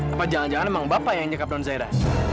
apa jangan jangan memang bapak yang menyekap don zera